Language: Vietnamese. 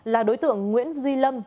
là đối tượng nguyễn duy lâm